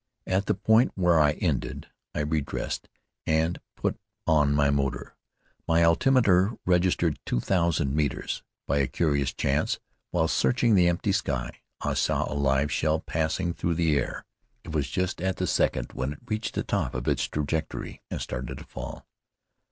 At the point where they ended, I redressed and put on my motor. My altimeter registered two thousand metres. By a curious chance, while searching the empty sky, I saw a live shell passing through the air. It was just at the second when it reached the top of its trajectory and started to fall.